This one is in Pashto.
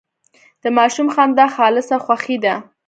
د ماشوم خندا خالصه خوښي ده.